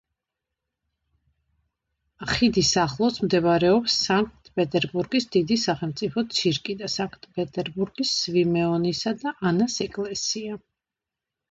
ხიდის ახლოს მდებარეობს სანქტ-პეტერბურგის დიდი სახელმწიფო ცირკი და სანქტ-პეტერბურგის სვიმეონისა და ანას ეკლესია.